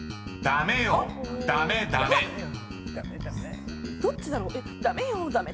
「ダメよダメダメ」